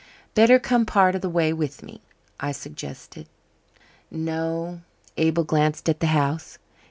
"Better come part of the way with me," I suggested. "No." Abel glanced at the house.